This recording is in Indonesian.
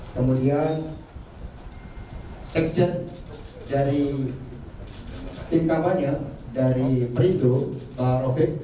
kemudian sekjen dari tim kampanye dari perintu pak rofik